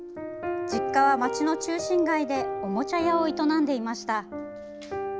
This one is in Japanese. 実家は町の中心街でおもちゃ屋を営んでいました。